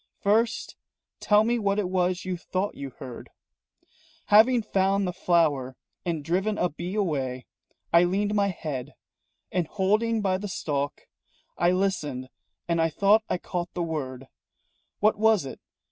"First tell me what it was you thought you heard." "Having found the flower and driven a bee away, I leaned my head, And holding by the stalk, I listened and I thought I caught the word What was it?